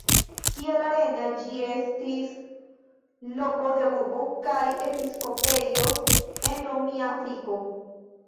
Kiel Arena ĝi estis loko de urbo kaj episkopejo en Romia Afriko.